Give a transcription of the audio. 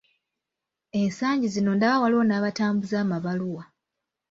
Ensangi zino ndaba waliwo n'abatambuza amabaluwa.